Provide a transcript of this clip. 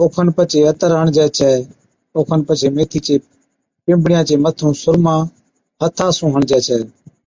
اوکن پڇي عطر ھڻجَي ڇَي اوکن پڇي ميٿِي چي پِمبڻِيا چي مٿُون سُرما ھٿا سُون ھڻجَي ڇَي